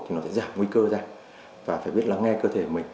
thì nó sẽ giảm nguy cơ ra và phải biết lắng nghe cơ thể của mình